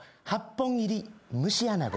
本入り蒸し穴子。